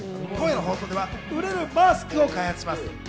今夜の放送では売れるマスクを開発します。